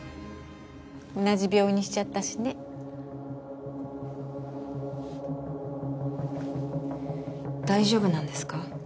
同じ病院にしちゃったしね大丈夫なんですか？